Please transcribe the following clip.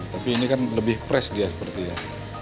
tapi ini kan lebih pres dia seperti ya